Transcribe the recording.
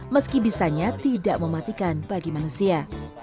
meski bisanya tidak mematikan bagi manusia